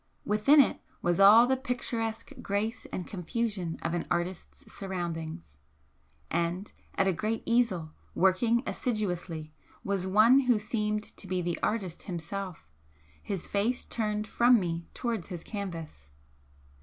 Within it was all the picturesque grace and confusion of an artist's surroundings; and at a great easel, working assiduously, was one who seemed to be the artist himself, his face turned from me towards his canvas.